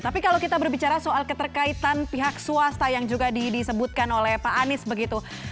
tapi kalau kita berbicara soal keterkaitan pihak swasta yang juga disebutkan oleh pak anies begitu